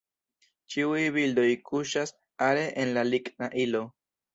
Ĉiuj bildoj kuŝas are en la ligna ilo.